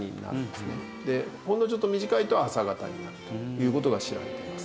ほんのちょっと短いと朝方になるという事が知られています。